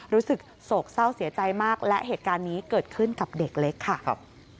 รู้สึกโศกเศร้าเสียใจมากและเหตุการณ์นี้เกิดขึ้นกับเด็กเล็กค่ะครับ